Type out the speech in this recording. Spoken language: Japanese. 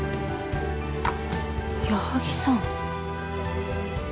矢作さん。